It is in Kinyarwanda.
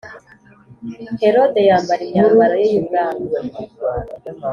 Herode yambara imyambaro ye y ubwami